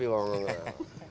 terima kasih pak menteri